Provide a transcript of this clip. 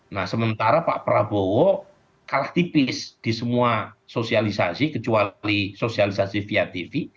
nah sementara pak prabowo kalah tipis di semua sosialisasi kecuali sosialisasi via tv